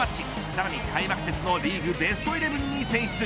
さらに開幕節のリーグベストイレブンに選出。